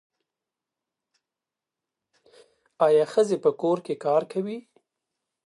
آیا ښځې په کور کې کار کوي؟